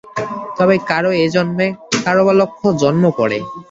তবে কারও এ জন্মে, কারও বা লক্ষ জন্ম পরে।